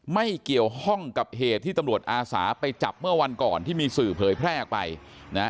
ไม่เกี่ยวข้องกับเหตุที่ตำรวจอาสาไปจับเมื่อวันก่อนที่มีสื่อเผยแพร่ออกไปนะฮะ